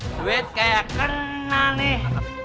duet kayak kena nih